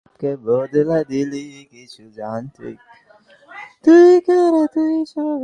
আর যখনি আমি ভুল করে জিতে গেলেও, আমার মোটেও ভালো লাগতো না!